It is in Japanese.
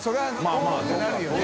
「おっ」ってなるよね。